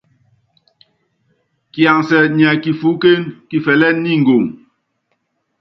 Kiansɛ nyɛ kifuúkén, kifɛlɛ́n ni ngoŋ.